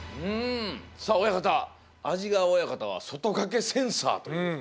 さあ親方安治川親方は外掛けセンサーというね。